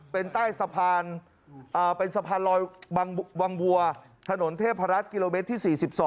เป็นใต้สะพานเป็นสะพานลอยวังบัวถนนเทพรัฐกิโลเมตรที่๔๒